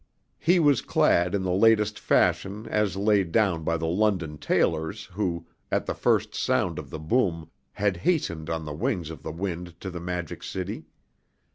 He was clad in the latest fashion as laid down by the London Tailors who, at the first sound of the Boom, had hastened on the wings of the wind to the Magic City.